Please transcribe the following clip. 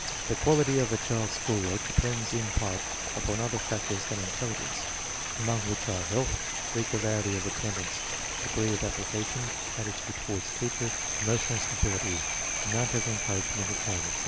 The quality of a child's school work depends in part upon other factors than intelligence, among which are health, regularity of attendance, degree of application, attitude toward teacher, emotional stability, amount of encouragement at home, etc.